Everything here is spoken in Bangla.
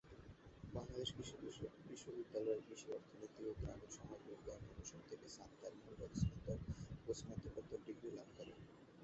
বাংলাদেশ কৃষি বিশ্ববিদ্যালয়ের কৃষি অর্থনীতি ও গ্রামীণ সমাজবিজ্ঞান অনুষদ থেকে সাত্তার মণ্ডল স্নাতক ও স্নাতকোত্তর ডিগ্রি লাভ করেন।